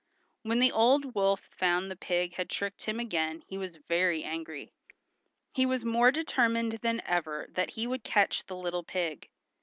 When the old wolf found the pig had tricked him again he was very angry. He was more determined than ever that he would catch the little pig.